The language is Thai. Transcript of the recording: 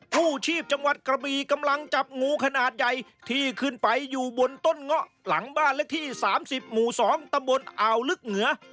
กู้ชีพจังหวัดกระบีกำลังจับงูขนาดใหญ่ที่ขึ้นไปอยู่บนต้นเงาะหลังบ้านเลขที่๓๐หมู่๒ตำบลอ่าวลึกเหนือ